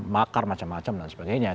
makar macam macam dan sebagainya